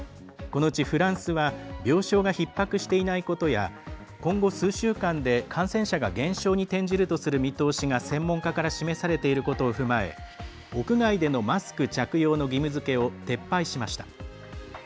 このうちフランスは病床がひっ迫していないことや今後、数週間で感染者が減少に転じるとする見通しが専門家から示されていることを踏まえ屋外でのマスク着用の義務付けを撤廃しました。